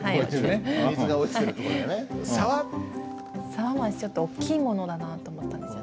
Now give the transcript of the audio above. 「沢」も私ちょっと大きいものだなと思ったんですよ。